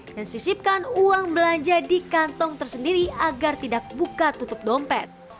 dan sisipkan uang belanja di kantong tersendiri agar tidak buka tutup dompet